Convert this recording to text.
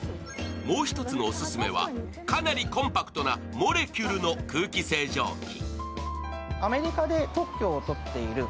もう一つのオススメはかなりコンパクトなモレキュルの空気清浄機。